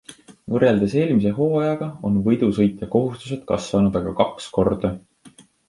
Võrreldes eelmise hooajaga on võidusõitja kohustused kasvanud aga kaks korda.